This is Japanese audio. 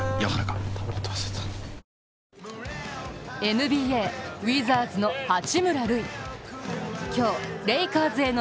ＮＢＡ、ウィザーズの八村塁。